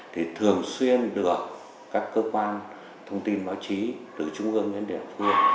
thì thường xuyên được các cơ quan thông tin báo chí từ trung ương đến địa phương